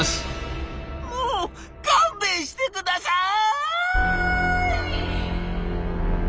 「もう勘弁してください！」。